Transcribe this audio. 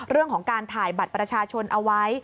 เรื่องของการถ่ายบัตรประชาชนเอาไว้